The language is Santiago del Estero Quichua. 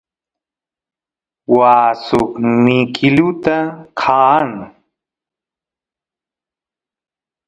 waa suk mikiluta qaan